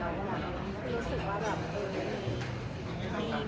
รู้สึกว่าแบบเออ